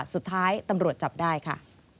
สุดท้ายตำรวจจับได้ค่ะ